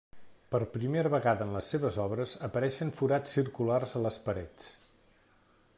Per primera vegada en les seves obres apareixen forats circulars a les parets.